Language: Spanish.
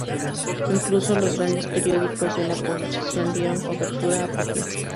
Incluso los grandes periódicos de la oposición dieron cobertura a Putin.